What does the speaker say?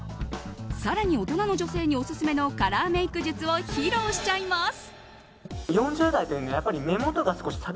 更に大人の女性におすすめのカラーメイク術を披露しちゃいます。